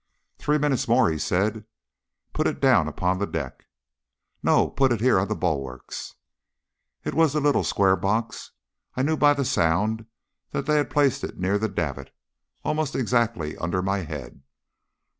"Three minutes more," he said. "Put it down upon the deck." "No, put it here on the bulwarks." It was the little square box. I knew by the sound that they had placed it near the davit, and almost exactly under my head.